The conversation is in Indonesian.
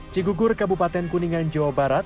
cigugur kabupaten kuningan jawa barat